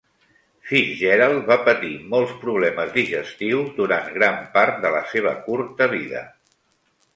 FitzGerald va patir molts problemes digestius durant gran part de la seva curta vida.